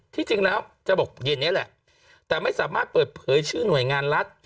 ที่จริงแล้วจะบอกเย็นนี้แหละแต่ไม่สามารถเปิดเผยชื่อหน่วยงานรัฐ